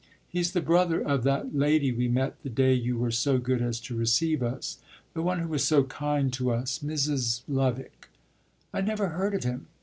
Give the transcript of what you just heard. He's the brother of that lady we met the day you were so good as to receive us; the one who was so kind to us Mrs. Lovick." "I never heard of him."